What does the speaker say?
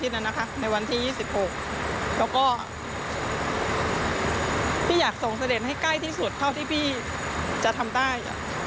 แล้วก็พี่อยากส่งเสน่ห์ให้ใกล้ที่สุดเข้าที่จะทำได้